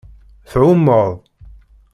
Tɛumeḍ.